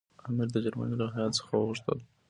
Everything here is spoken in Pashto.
امیر د جرمني له هیات څخه وغوښتل.